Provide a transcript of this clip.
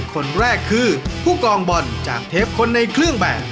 คนแรกคือผู้กองบอลจากเทปคนในเครื่องแบบ